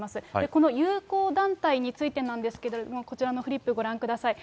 この友好団体についてなんですけれども、こちらのフリップ、ご覧ください。